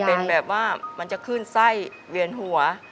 มันจะขึ้นไส้เวียนหัวแบบเป็นแบบว่ามันจะขึ้นไส้เวียนหัว